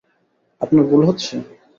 আপনার ভুল হচ্ছে?